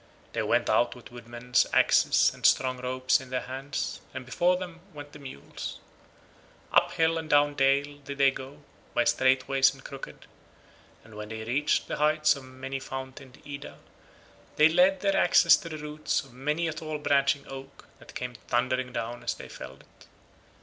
They went out with woodmen's axes and strong ropes in their hands, and before them went the mules. Up hill and down dale did they go, by straight ways and crooked, and when they reached the heights of many fountained Ida, they laid their axes to the roots of many a tall branching oak that came thundering down as they felled it.